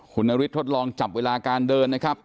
คุณนฤทธดลองจับเวลาการเดินนะครับ